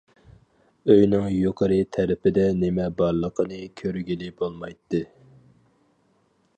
ئۆينىڭ يۇقىرى تەرىپىدە نېمە بارلىقىنى كۆرگىلى بولمايتتى.